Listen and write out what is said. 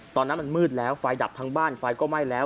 ตอนนั้นมันมืดแล้วไฟดับทั้งบ้านไฟก็ไหม้แล้ว